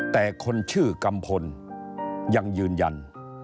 แต่คนชื่อกัมพลยังยืนยัน